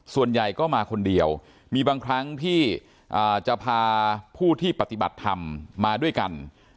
ส่วนใหญ่ก็มาคนเดียวมีบางครั้งที่จะพาผู้ที่ปฏิบัติธรรมมาด้วยกัน